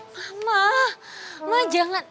mama ma jangan